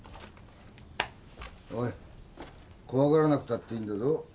おい怖がらなくたっていいんだぞ。